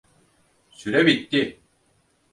Süre bitti.